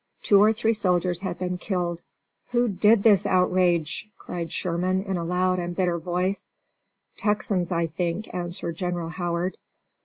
Two or three soldiers had been killed. "Who did this outrage?" cried Sherman, in a loud and bitter voice, "Texans, I think," answered General Howard.